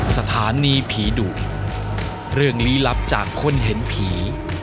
สถานีผีดุเรื่องลี้ลับจากคนเห็นผี